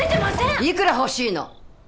いくら欲しいの？